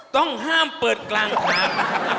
ต้องห้ามเปิดกลางทาง